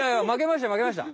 まけました。